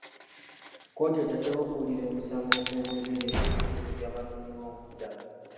Kkooti etaddewo okuwulira emisango okw'obwereere eri ebitundu by'Abanoonyiboobubudamu.